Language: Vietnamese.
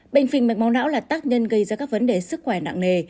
bệnh phình mạch máu não là tác nhân gây ra các vấn đề sức khỏe nặng nề